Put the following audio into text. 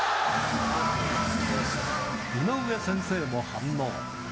井上先生も反応。